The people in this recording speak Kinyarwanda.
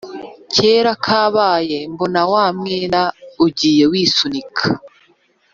kera kabaye mbona wa mwenda ugiye wisunika.